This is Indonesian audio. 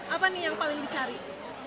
apa nih yang paling dicari